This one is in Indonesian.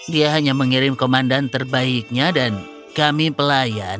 dia hanya mengirim komandan terbaiknya dan kami pelayan